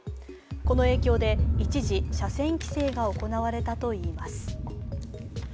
この影響で一時、車線規制が行われたといいます。